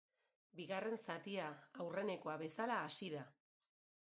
Bigarren zatia aurrenekoa bezala hasi da.